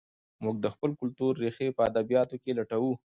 موږ د خپل کلتور ریښې په ادبیاتو کې لټوو.